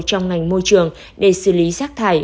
trong ngành môi trường để xử lý rác thải